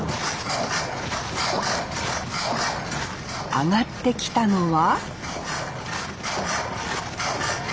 あがってきたのは？